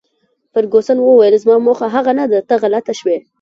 فرګوسن وویل: زما موخه هغه نه ده، ته غلطه شوې.